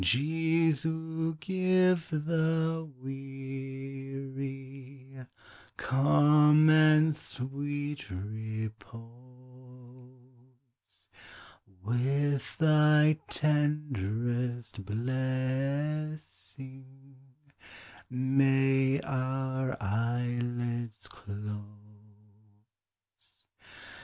Jesu, give the weary Calm and sweet repose ; With thy tenderest blessing May our eyelids close.